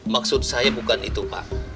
maksud saya bukan itu pak